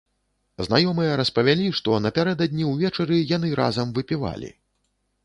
Знаёмыя распавялі, што напярэдадні ўвечары яны разам выпівалі.